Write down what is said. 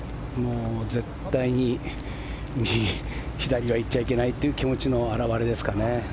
絶対に左は行っちゃいけないという気持ちの表れですかね。